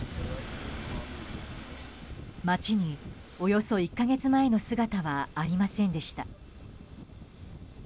街に、およそ１か月前の姿はありませんでした。